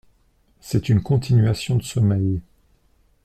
C'est une continuation de sommeil.